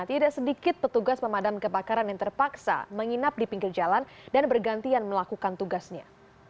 tidak sedikit petugas pemadam kebakaran yang terpaksa menginap di pinggir jalan dan bergantian melakukan tugasnya